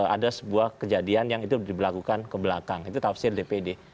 ada sebuah kejadian yang itu diberlakukan ke belakang itu tafsir dpd